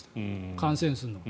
感染するのは。